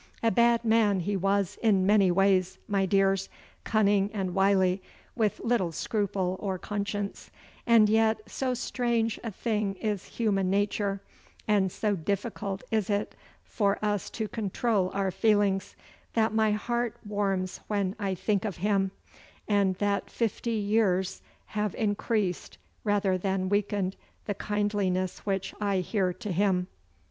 A bad man he was in many ways, my dears, cunning and wily, with little scruple or conscience; and yet so strange a thing is human nature, and so difficult is it for us to control our feelings, that my heart warms when I think of him, and that fifty years have increased rather than weakened the kindliness which I hear to him.